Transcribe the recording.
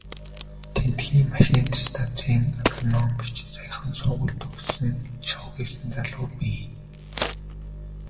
Тэндхийн машинт станцын агрономич, саяхан сургууль төгссөн шавхийсэн залуу бий.